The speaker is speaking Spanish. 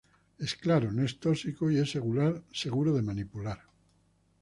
Es claro, no es tóxico y es seguro de manipular.